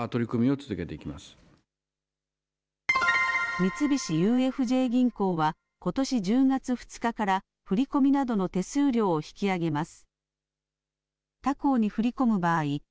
三菱ＵＦＪ銀行はことし１０月２日から振り込みなどの手数料を引き上げます。